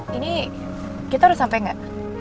ini kita udah sampai gak